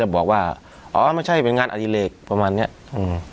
บอกว่าอ๋อไม่ใช่เป็นงานอดิเลกประมาณเนี้ยอืม